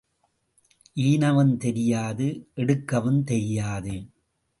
ஈனவும் தெரியாது எடுக்கவும் தெரியாது.